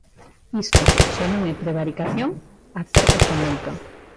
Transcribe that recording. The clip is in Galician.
Isto, se non é prevaricación, acércase moito.